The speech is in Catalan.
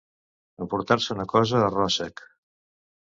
Emportar-se una cosa a ròssec.